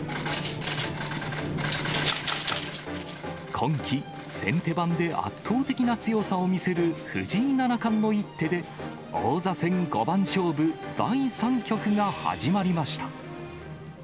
今季、先手番で圧倒的な強さを見せる藤井七冠の一手で、王座戦五番勝負第３局が始まりました。